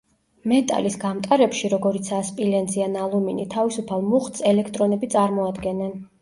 მეტალის გამტარებში, როგორიცაა სპილენძი ან ალუმინი თავისუფალ მუხტს ელექტრონები წარმოადგენენ.